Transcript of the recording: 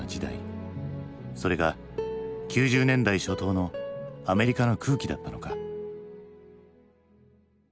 それが９０年代初頭のアメリカの空気だったのか。